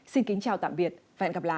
xin kính chào tạm biệt và hẹn gặp lại